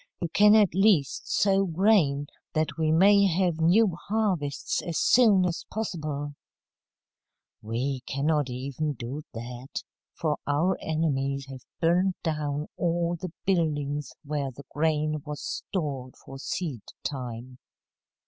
"You can at least sow grain, that we may have new harvests as soon as possible." "We cannot even do that, for our enemies have burned down all the buildings where the grain was stored for seed time."